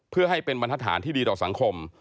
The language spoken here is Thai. เพื่อให้เป็นบรรทฐานที่ดีต่อสังคม